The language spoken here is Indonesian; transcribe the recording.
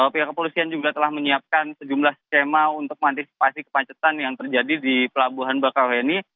pihak polisian juga telah menyiapkan sejumlah sistema untuk mantisipasi kepancetan yang terjadi di pelabuhan bakau ini